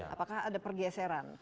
apakah ada pergeseran